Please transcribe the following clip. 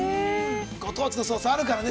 ◆ご当地のソースがあるからね。